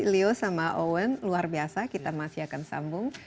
leo sama owen luar biasa kita masih akan sambung